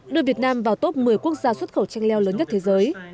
đưa việt nam vào top một mươi quốc gia xuất khẩu chanh leo lớn nhất thế giới